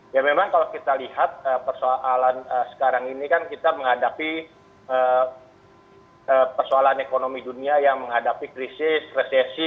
ya memang kalau kita lihat persoalan sekarang ini kan kita menghadapi persoalan ekonomi dunia yang menghadapi krisis resesi